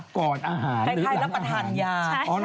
ก่อนอาหารหรือหลังอาหาร